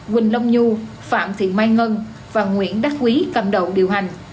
quỳnh long nhu phạm thiện mai ngân và nguyễn đắc quý cầm đầu điều hành